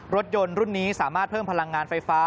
รถยนต์รุ่นนี้สามารถเพิ่มพลังงานไฟฟ้า